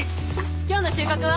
今日の収穫は？